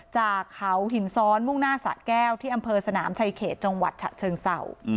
จากเขาหินซ้อนมุ่งหน้าสะแก้วที่อำเภอสนามชายเขตจังหวัดฉะเชิงเศร้า